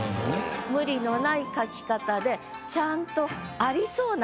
無理のない書き方でちゃんとありそうな光景